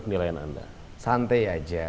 penilaian anda santai aja